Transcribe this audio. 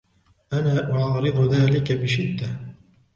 أنا أعارض ذلك بشدة